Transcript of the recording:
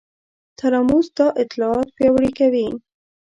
تلاموس دا اطلاعات پیاوړي کوي.